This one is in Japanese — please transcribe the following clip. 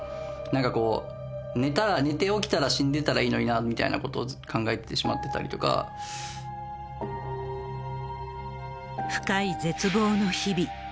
なんかこう、寝たら、寝て起きたら死んでたらいいのになみたいなことをずっと考えてし深い絶望の日々。